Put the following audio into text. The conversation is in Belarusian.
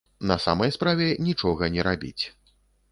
На самай справе, нічога не рабіць.